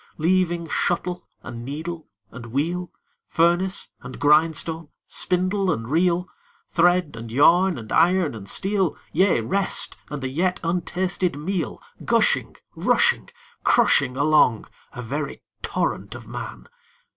Leaving shuttle, and needle, and wheel, Furnace, and grindstone, spindle, and reel, Thread, and yarn, and iron, and steel Yea, rest and the yet untasted meal Gushing, rushing, crushing along, A very torrent of Man!